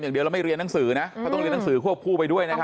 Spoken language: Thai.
อย่างเดียวแล้วไม่เรียนหนังสือนะเขาต้องเรียนหนังสือควบคู่ไปด้วยนะครับ